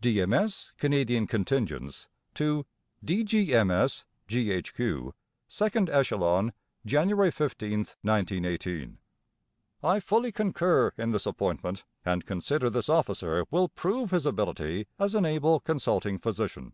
D.M.S. Canadian Contingents. To D.G.M.S., G.H.Q., 2nd Echelon, January 15th, 1918: I fully concur in this appointment, and consider this officer will prove his ability as an able Consulting Physician.